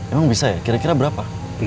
emang bisa ya kira kira berapa